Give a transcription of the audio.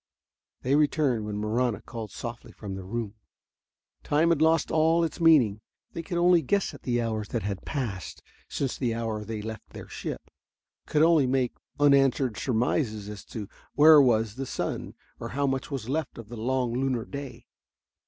They returned when Marahna called softly from the room. Time had lost all its meaning. They could only guess at the hours that had passed since the hour they left their ship, could only make unanswered surmises as to where was the sun or how much was left of the long lunar day.